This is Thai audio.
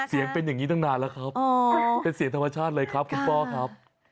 เสียงเป็นอย่างนี้ตั้งนานแล้วครับเป็นเสียงธรรมชาติเลยครับคุณพ่อครับ